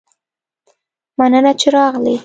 مننه چې راغلي